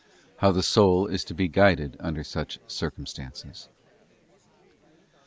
How the soul is to be guided under such circumstances.